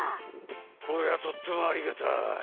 これはとってもありがたい！